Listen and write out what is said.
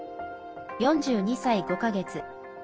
４２歳５か月。